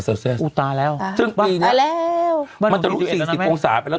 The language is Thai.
ซัลเซสอุตาแล้วซึ่งปีนี้อันบังปังแล้วมันจะลุกสี่สิบองศาไปแล้ว